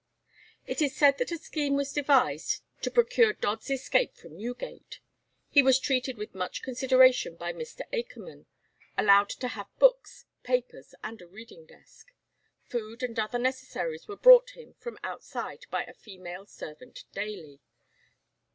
It is said that a scheme was devised to procure Dodd's escape from Newgate. He was treated with much consideration by Mr. Akerman, allowed to have books, papers, and a reading desk. Food and other necessaries were brought him from outside by a female servant daily.